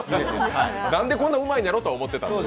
なんでこんなうまいんやろとは思ってた？